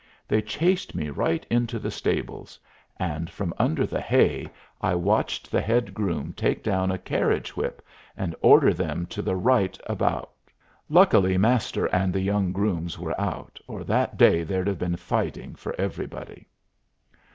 They chased me right into the stables; and from under the hay I watched the head groom take down a carriage whip and order them to the right about. Luckily Master and the young grooms were out, or that day there'd have been fighting for everybody.